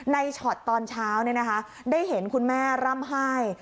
ช็อตตอนเช้าได้เห็นคุณแม่ร่ำไห้